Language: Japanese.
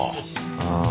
うん。